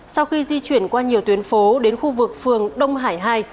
sau khi di chuyển qua nhiều tuyến phố đến khu vực phường đông hải hai